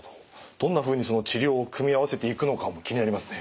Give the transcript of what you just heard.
どんなふうに治療を組み合わせていくのかも気になりますね。